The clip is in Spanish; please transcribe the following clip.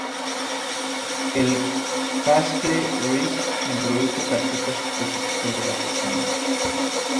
El Castle Risk introduce tarjetas específicas de la persona.